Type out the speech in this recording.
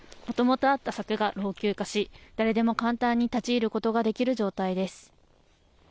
もともとあった柵が老朽化し、誰でも簡単に立ち入ることができる状態です。